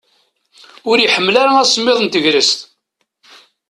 Ur ḥmmileɣ ara asemmiḍ n tegrest.